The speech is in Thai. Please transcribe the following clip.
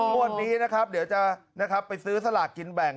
งวดนี้นะครับเดี๋ยวจะนะครับไปซื้อสลากกินแบ่ง